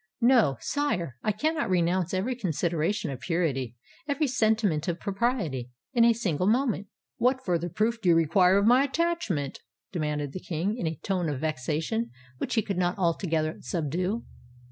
No—sire: I cannot renounce every consideration of purity—every sentiment of propriety, in a single moment." "What further proof do you require of my attachment?" demanded the King, in a tone of vexation which he could not altogether subdue.